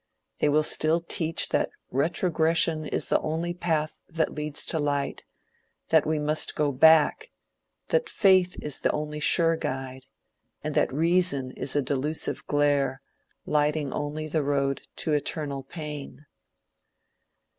They will still teach that retrogression is the only path that leads to light; that we must go back, that faith is the only sure guide, and that reason is a delusive glare, lighting only the road to eternal pain.